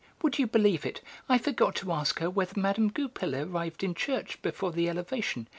Would you believe it; I forgot to ask her whether Mme. Goupil arrived in church before the Elevation.